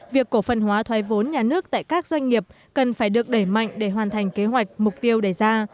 việc cổ phần hóa thoái vốn nhà nước tại các doanh nghiệp cần phải được đẩy mạnh để hoàn thành kế hoạch mục tiêu đề ra